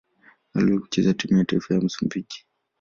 Aliwahi kucheza timu ya taifa ya Msumbiji.